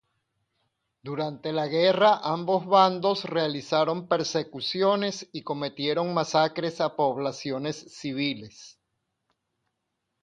Durante la guerra ambos bandos realizaron persecuciones y cometieron masacres a poblaciones civiles.